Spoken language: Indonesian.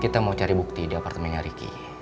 kita mau cari bukti di apartemennya ricky